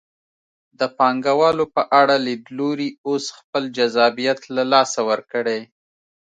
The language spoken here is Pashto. د پانګوالو په اړه لیدلوري اوس خپل جذابیت له لاسه ورکړی.